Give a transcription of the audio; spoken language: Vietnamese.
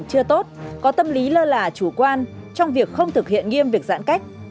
chấp hành chưa tốt có tâm lý lơ lả chủ quan trong việc không thực hiện nghiêm việc giãn cách